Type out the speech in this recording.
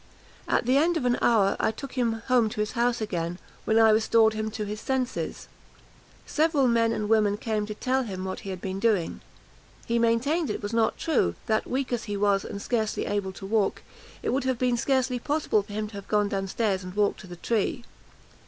At the end of an hour, I took him home to his house again, when I restored him to his senses. Several men and women came to tell him what he had been doing. He maintained it was not true; that, weak as he was, and scarcely able to walk, it would have been scarcely possible for him to have gone down stairs and walked to the tree.